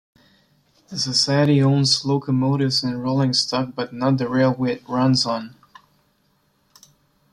The society owns Locomotives and Rolling Stock but not the railway it runs on.